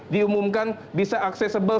diumumkan bisa aksesibel